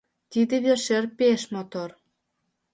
Тиде вершӧр пеш мотор.